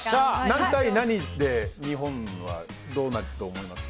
何対何でどうなると思います？